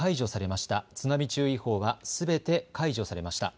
津波注意報は、すべて解除されました。